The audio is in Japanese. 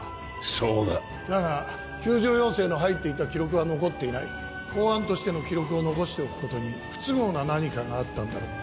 そうだだが救助要請の入っていた記録は残っていない公安としての記録を残しておくことに不都合な何かがあったんだろう